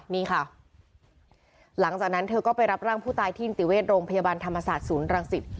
นี่ค่ะหลังจากนั้นเธอก็ไปรับร่างผู้ตายที่นิติเวชโรงพยาบาลธรรมศาสตร์ศูนย์รังสิต